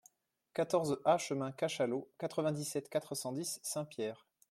quatorze A chemin Cachalot, quatre-vingt-dix-sept, quatre cent dix, Saint-Pierre